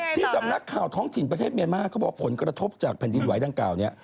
ที่สำนักข่าวท้องสินประเทศเมียมาเขาบอกผลกระทบจากแผนดินไหวทั้งเก่านี้